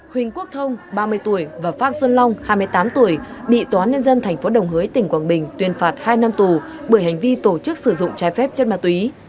huỳnh quốc thông ba mươi tuổi và phát xuân long hai mươi tám tuổi bị tòa nhân dân tp đồng hới tỉnh quảng bình tuyên phạt hai năm tù bởi hành vi tổ chức sử dụng trái phép chất ma túy